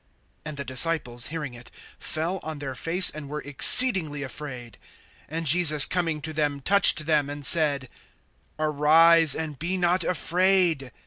(6)And the disciples, hearing it, fell on their face, and were exceedingly afraid. (7)And Jesus coming to them touched them, and said: Arise, and be not afraid.